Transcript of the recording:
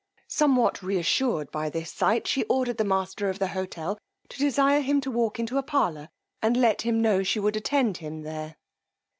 Somewhat reassured by this sight, she ordered the master of the hotel to desire him to walk into a parlour, and let him know she would attend him there.